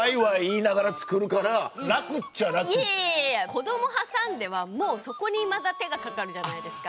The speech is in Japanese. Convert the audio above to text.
子ども挟んではもうそこにまた手がかかるじゃないですか。